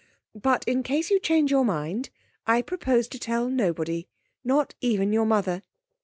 But in case you change your mind I propose to tell nobody, not even your mother.